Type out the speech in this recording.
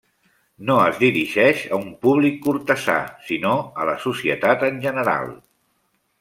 No es dirigeix a un públic cortesà, sinó a la societat en general.